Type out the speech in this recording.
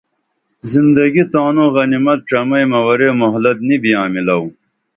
زندگی تانوں غنیمت ڇمئیمہ ورے مہلت نی بیاں مِلو